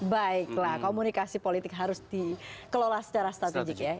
baiklah komunikasi politik harus dikelola secara strategik ya